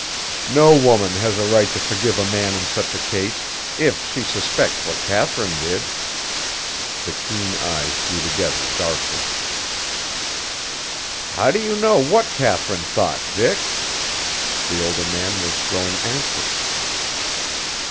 "No woman has a right to forgive a man in such a case, if she suspects what Katharine did!" The keen eyes drew together darkly. "How do you know what Katharine thought, Dick?" The older man was growing anxious.